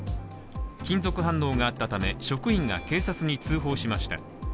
金属反応があったため職員が警察に通報しました。